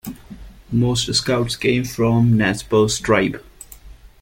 Most scouts came from the Nez Perce tribe.